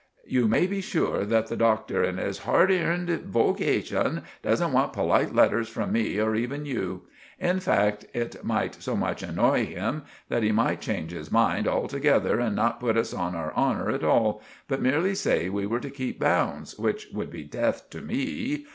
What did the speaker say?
"You may be sure that the Doctor, in his hard eerned vocation, doesn't want polite letters from me or even you. In fact, it might so much anoy him that he might change his mind all together and not put us on our honour at all, but merely say we were to keep bounds, which would be deth to me.